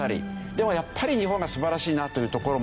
でもやっぱり日本が素晴らしいなというところもある。